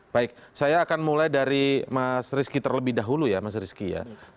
baik saya akan mulai dari mas rizky terlebih dahulu ya mas rizky ya